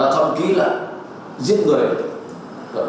thậm chí là giết người